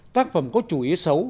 ba tác phẩm có chủ ý xấu